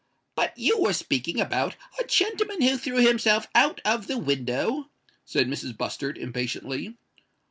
"But you was speaking about a gentleman who threw himself out of the window?" said Mrs. Bustard, impatiently.